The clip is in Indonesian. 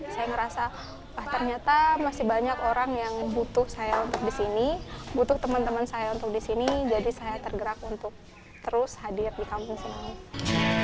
saya ngerasa bah ternyata masih banyak orang yang butuh saya untuk disini butuh temen temen saya untuk disini jadi saya tergerak untuk terus hadir di kampung sinaw